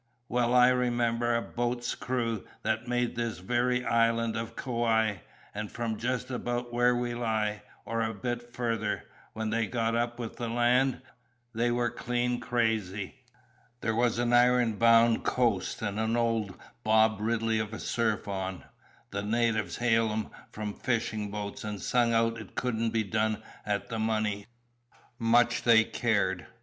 "Well I remember a boat's crew that made this very island of Kauai, and from just about where we lie, or a bit further. When they got up with the land, they were clean crazy. There was an iron bound coast and an Old Bob Ridley of a surf on. The natives hailed 'em from fishing boats, and sung out it couldn't be done at the money. Much they cared!